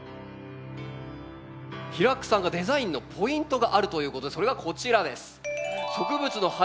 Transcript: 平工さんがデザインのポイントがあるということでそれがこちらです。